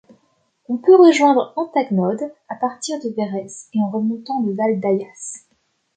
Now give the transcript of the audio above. On peut rejoindre Antagnod à partir de Verrès et en remontant le val d'Ayas.